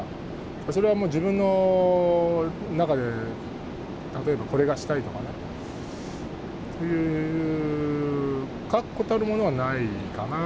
それはもう自分の中で例えば、これがしたいとかね、という確固たるものはないかな。